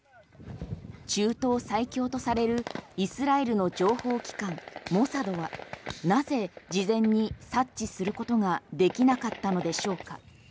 中東最強とされるイスラエルの情報機関モサドはなぜ事前に察知することができなかったのでしょうか？